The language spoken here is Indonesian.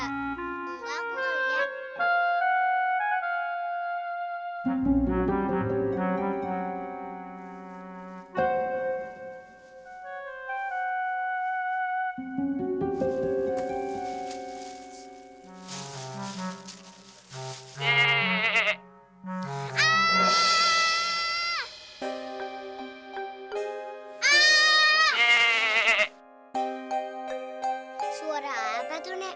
enggak aku gak lihat